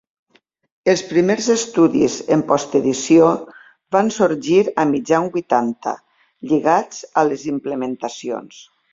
Els primers estudis en post edició van sorgir a mitjan vuitanta, lligats a les implementacions.